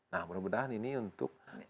nah mudah mudahan ini untuk